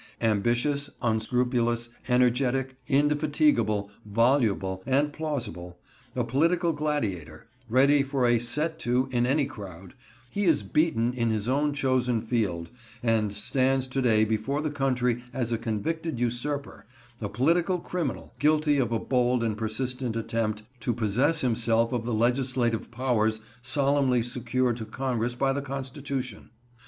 Ambitious, unscrupulous, energetic, indefatigable, voluble, and plausible,—a political gladiator, ready for a "set to" in any crowd,—he is beaten in his own chosen field, and stands to day before the country as a convicted usurper, a political criminal, guilty of a bold and persistent attempt to possess himself of the legislative powers solemnly secured to Congress by the Constitution.